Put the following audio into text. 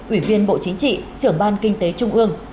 ủy viên bộ chính trị trưởng ban kinh tế trung ương